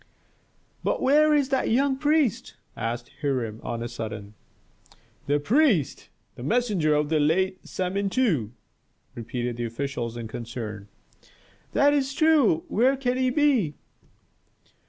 "But where is that young priest?" asked Hiram on a sudden. "The priest? The messenger of the late Samentu?" repeated the officials in concern. "That is true where can he be?"